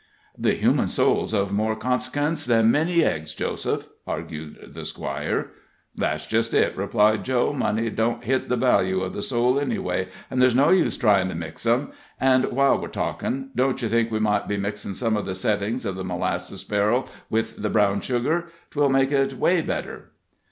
"The human soul's of more cons'kence than many eggs, Joseph," argued the Squire. "That's just it," replied Joe; "money don't hit the value of the soul any way, and there's no use trying to mix 'em. And while we're talking, don't you think we might be mixing some of the settlings of the molasses barrel with the brown sugar? 'twill make it weigh better."